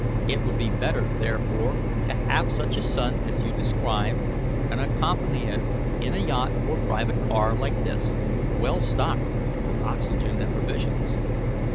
It would be better, therefore, to have such a sun as you describe and accompany it in a yacht or private car like this, well stocked with oxygen and provisions.